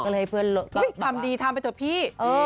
อีที่ทำดีทำไปเถอะพี่